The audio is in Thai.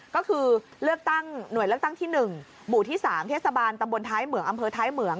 ก็คือเลือกตั้งหน่วยเลือกตั้งที่๑หมู่ที่๓เทศบาลตำบลท้ายเหมืองอำเภอท้ายเหมือง